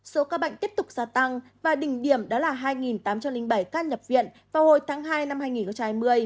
số ca bệnh tiếp tục gia tăng và đỉnh điểm đó là hai tám trăm linh bảy ca nhập viện vào hồi tháng hai năm hai nghìn hai mươi